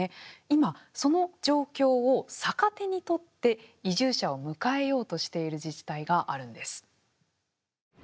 今、その状況を逆手に取って移住者を迎えようとしている自治体があるんです。